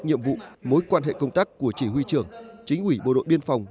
nhiệm vụ mối quan hệ công tác của chỉ huy trưởng chính ủy bộ đội biên phòng